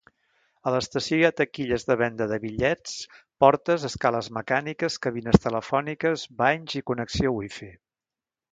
A l'estació hi ha taquilles de venda de bitllets, portes, escales mecàniques, cabines telefòniques, banys i connexió Wi-Fi.